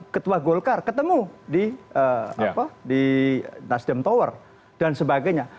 ketua golkar ketemu di nasdem tower dan sebagainya